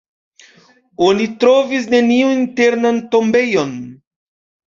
Oni trovis neniun internan tombejon.